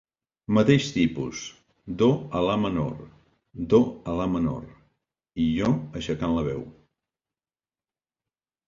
Mateix tipus: Do a La menor, Do a La menor, i jo aixecant la veu.